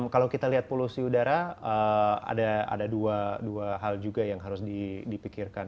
kalau kita lihat polusi udara ada dua hal juga yang harus dipikirkan